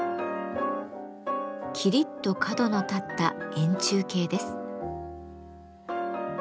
きりっと角の立った円柱形です。